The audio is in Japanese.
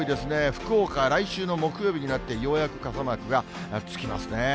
福岡、来週の木曜日になって、ようやく傘マークがつきますね。